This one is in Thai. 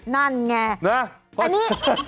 นั่นไง